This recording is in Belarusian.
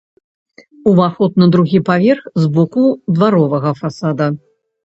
Уваход на другі паверх з боку дваровага фасада.